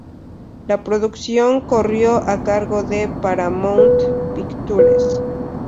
La producción corrió a cargo de Paramount Pictures.